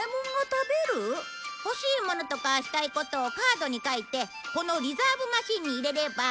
欲しいものとかしたいことをカードに書いてこのリザーブ・マシンに入れれば。